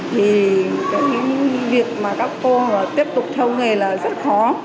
thì cái việc mà các cô tiếp tục theo nghề là rất khó